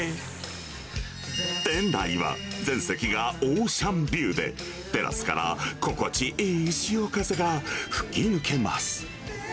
店内は全席がオーシャンビューで、テラスから心地いい潮風が吹き抜けます。